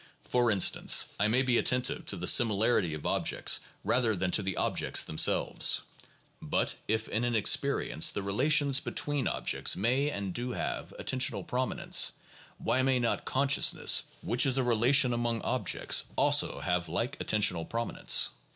For instance I may be attentive to the similarity of objects rather than to the objects themselves. But if in an experience the re lations between objects may and do have attentional prominence, why may not consciousness, which is a relation among objects, also have like attentional prominence?